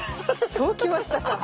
そうきましたか。